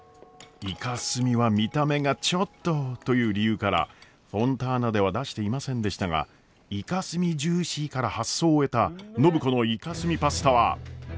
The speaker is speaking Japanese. イカスミは見た目がちょっとという理由からフォンターナでは出していませんでしたがイカスミジューシーから発想を得た暢子のイカスミパスタは。